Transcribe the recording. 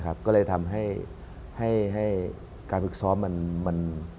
ก็เลยทำให้การฝึกซ้อมมัน